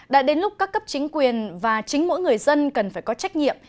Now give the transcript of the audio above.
đã đến lúc các cấp chính quyền và chính mỗi người dân cần phải có trách nhiệm